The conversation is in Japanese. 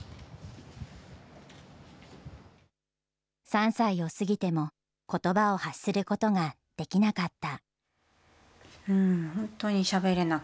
３歳を過ぎても、ことばを発することができなかった。